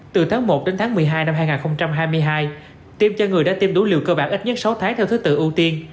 từ tháng một đến tháng một mươi hai năm hai nghìn hai mươi hai tiêm cho người đã tiêm đủ liều cơ bản ít nhất sáu tháng theo thứ tự ưu tiên